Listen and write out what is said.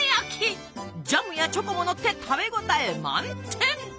ジャムやチョコものって食べ応え満点！